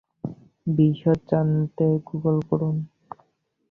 বিশদ জানতে গুগল করুন।